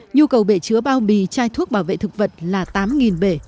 nhu cầu bể chứa bao bì chai thuốc bảo vệ thực vật là tám bể